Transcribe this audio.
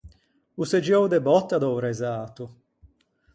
O s’é giou de bòtta da-o resato.